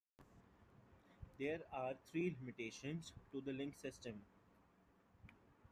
There are three limitations to the link system.